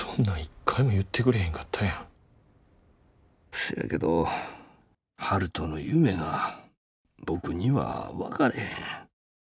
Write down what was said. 「そやけど悠人の夢が僕には分かれへん。